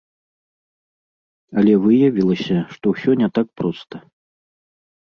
Але выявілася, што ўсё не так проста.